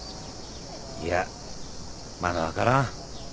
いやまだ分からん。